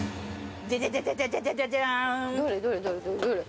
どれ？